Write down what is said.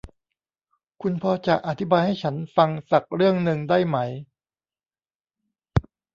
คุณพอจะอธิบายให้ฉันฟังสักเรื่องนึงได้ไหม ?